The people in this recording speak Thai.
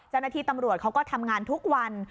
เจ้าหน้าที่ตำรวจเขาก็ทำงานทุกวัน